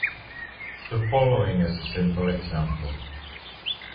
The following is a simple example.